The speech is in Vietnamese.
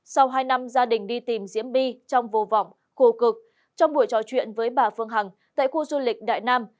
sau hai năm gia đình đi tìm diễm bi trong vô vọng khổ cực trong buổi trò chuyện với bà phương hằng tại khu du lịch đại nam